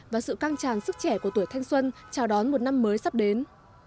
và sự căng tràn sức trẻ của tuổi thanh xuân chào đón một năm mới sắp đến